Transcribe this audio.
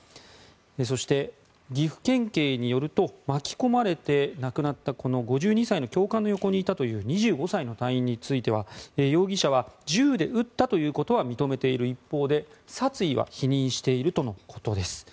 そして岐阜県警によると巻き込まれて亡くなった５２歳の教官の横にいたという２５歳の隊員については容疑者は銃で撃ったということは認めている一方で殺意は否認しているとのことです。